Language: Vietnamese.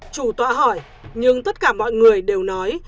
chủ tọa hỏi nhưng tất cả mọi người đều nói